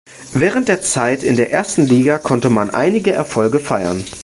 Während der Zeit in der ersten Liga konnte man einige Erfolge feiern.